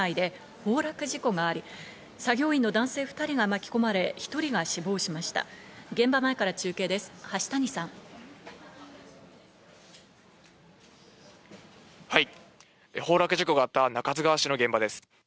崩落事故があった中津川市の現場です。